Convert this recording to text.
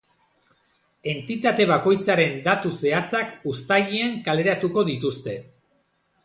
Entitate bakoitzaren datu zehatzak uztailean kaleratuko dituzte.